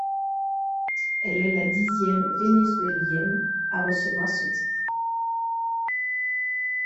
Elle est la dixième vénézuélienne à recevoir ce titre.